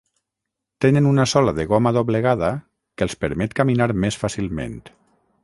Tenen una sola de goma doblegada que els permet caminar més fàcilment.